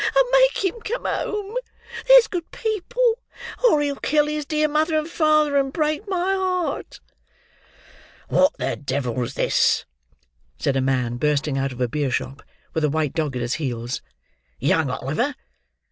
Make him come home, there's good people, or he'll kill his dear mother and father, and break my heart!" "What the devil's this?" said a man, bursting out of a beer shop, with a white dog at his heels; "young Oliver!